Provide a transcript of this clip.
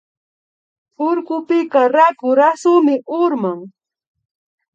Urkupika raku rasumi urman